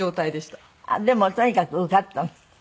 でもとにかく受かったの？